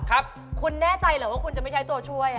ครับคุณแน่ใจเหรอว่าคุณจะไม่ใช้ตัวช่วย